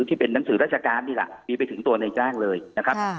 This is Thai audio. ที่เป็นหนังสือราชการนี่แหละมีไปถึงตัวในจ้างเลยนะครับ